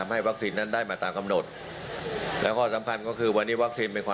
แล้วก็ในช่วงท้ายของการกล่าวเปิดนะคะ